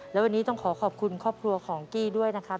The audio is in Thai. และวันนี้ต้องขอขอบคุณครอบครัวของกี้ด้วยนะครับ